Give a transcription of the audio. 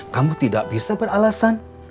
kamu tidak bisa beralasan